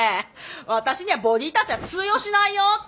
私にはボディータッチは通用しないよって。